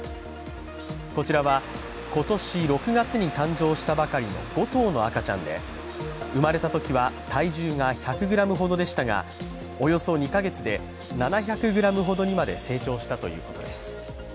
こちらは今年６月に誕生したばかりの５頭の赤ちゃんで、生まれたときは体重が１００ｇほどでしたが、およそ２か月で７００ｇほどに成長したといいます。